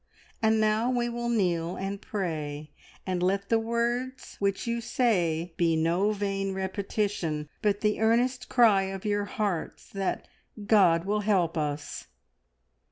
And now we will kneel and pray, and let the words which you say be no vain repetition, but the earnest cry of your hearts that God will help us!"